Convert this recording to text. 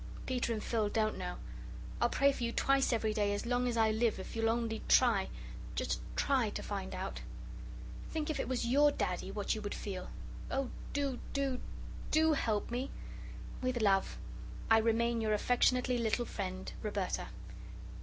Peter and Phil don't know. I'll pray for you twice every day as long as I live if you'll only try just try to find out. Think if it was YOUR Daddy, what you would feel. Oh, do, do, DO help me. With love "I remain Your affectionately little friend "Roberta.